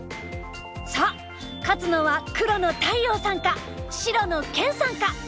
さあ勝つのは黒の大遥さんか白の研さんか！